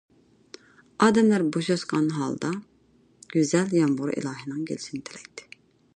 ئادەملەر بوشاشقان ھالدا، گۈزەل يامغۇر ئىلاھىنىڭ كېلىشىنى تىلەيتتى.